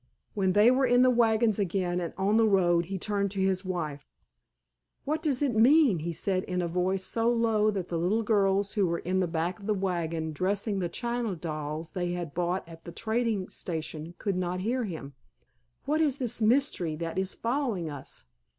When they were in the wagons again and on the road he turned to his wife. "What does it mean?" he said in a voice so low that the little girls who were in the back of the wagon dressing the china dolls they had bought at the trading station could not hear him. "What is this mystery that is following us?